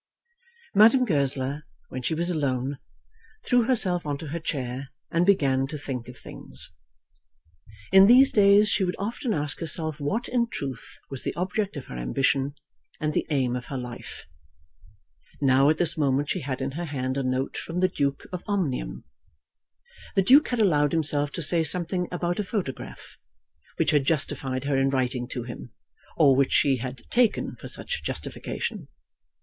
Madame Goesler, when she was alone, threw herself on to her chair and began to think of things. In these days she would often ask herself what in truth was the object of her ambition, and the aim of her life. Now at this moment she had in her hand a note from the Duke of Omnium. The Duke had allowed himself to say something about a photograph, which had justified her in writing to him, or which she had taken for such justification.